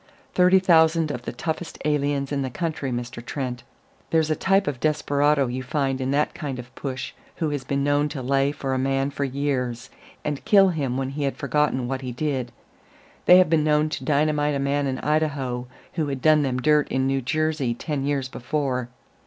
Thirty thousand of the toughest aliens in the country, Mr. Trent. There's a type of desperado you find in that kind of push who has been known to lay for a man for years, and kill him when he had forgotten what he did. They have been known to dynamite a man in Idaho who had done them dirt in New Jersey ten years before.